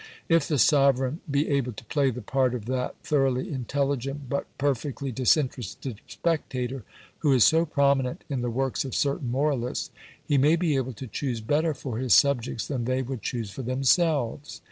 If the sovereign be able to play the part of that thoroughly intelligent but perfectly disinterested spectator who is so prominent in the works of certain moralists, he may be able to choose better for his subjects than they would choose for themselves.